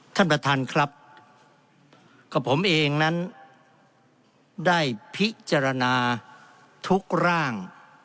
ท่านประธานครับกับผมเองนั้นได้พิจารณาทุกร่าง